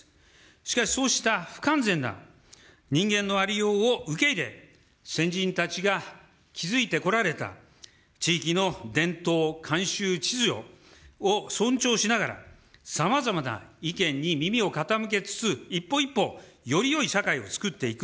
しかしそうした不完全な人間のありようを受け入れ、先人たちが築いてこられた地域の伝統、慣習、秩序を尊重しながら、さまざまな意見に耳を傾けつつ、一歩一歩よりよい社会をつくっていく。